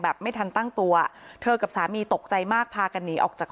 ไม่ทันตั้งตัวเธอกับสามีตกใจมากพากันหนีออกจาก